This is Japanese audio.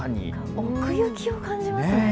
奥行きを感じますね。